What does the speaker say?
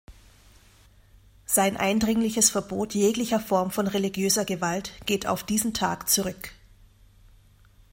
Sein eindringliches Verbot jeglicher Form von religiöser Gewalt geht auf diesen Tag zurück.